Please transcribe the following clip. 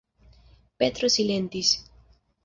Petro silentis.